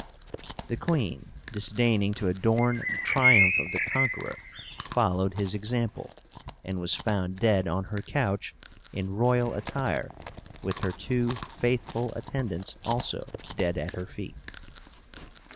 The queen, disdaining to adorn the triumph of the conqueror, followed his example, and was found dead on her couch, in royal attire, with her two faithful attendants also dead at her feet.